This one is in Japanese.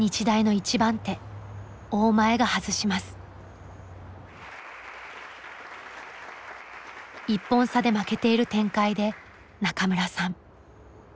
１本差で負けている展開で中村さん。